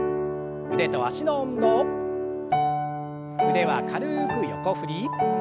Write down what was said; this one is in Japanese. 腕は軽く横振り。